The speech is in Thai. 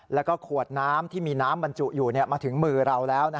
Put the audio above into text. แล้วก็ขวดน้ำที่มีน้ำบรรจุอยู่มาถึงมือเราแล้ว